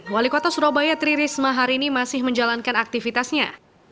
wali kota surabaya tri risma hari ini masih menjalankan aktivitasnya